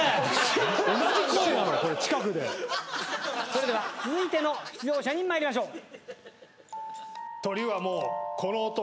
それでは続いての出場者に参りましょう。